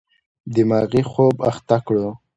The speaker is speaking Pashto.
دماغي خوب اخته کړو.